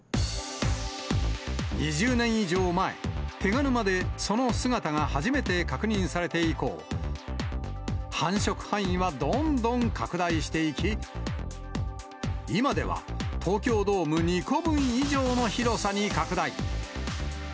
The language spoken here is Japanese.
２０年以上前、手賀沼でその姿が初めて確認されて以降、繁殖範囲はどんどん拡大していき、今では、東京ドーム２個分以上の広さに拡大。